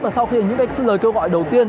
và sau khi những lời kêu gọi đầu tiên